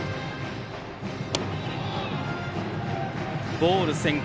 ボール先行。